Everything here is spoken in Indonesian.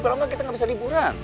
berapa lama kita nggak bisa liburan